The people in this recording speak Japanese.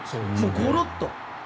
コロッと。